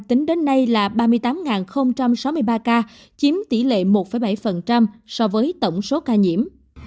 tính đến nay là ba mươi tám sáu mươi ba ca chiếm tỷ lệ một bảy so với tổng số ca nhiễm